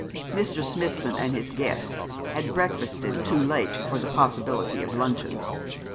Mr. Smithson and his guests had breakfasted too late for the possibility of luncheon.